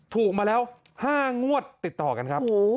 ถูกมาแล้ว๕งวดติดต่อกันครับ